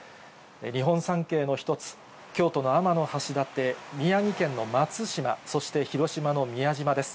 日本三景の一つ、京都の天橋立、宮城県の松島、そして広島の宮島です。